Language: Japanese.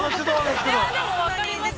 ◆でも分かります。